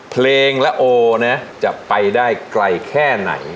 เพลงและโอนะจะไปได้ไกลแค่ไหน